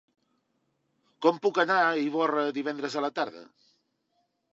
Com puc anar a Ivorra divendres a la tarda?